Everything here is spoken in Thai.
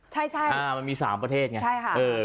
ใช่มันมี๓ประเทศไง